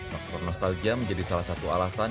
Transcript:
faktor nostalgia menjadi salah satu alasan